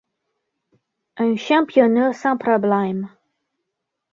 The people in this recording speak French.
Un championnat sans problème.